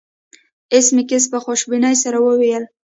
ایس میکس په خوشبینۍ سره وویل